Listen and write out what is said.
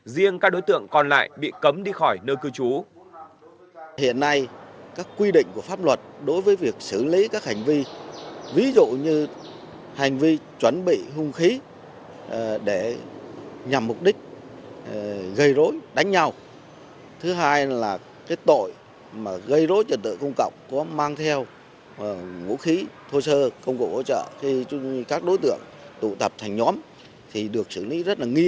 riêng các đối tượng còn lại bị cấm đi khỏi nơi cư trú